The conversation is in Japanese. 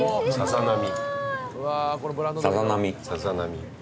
さざなみ。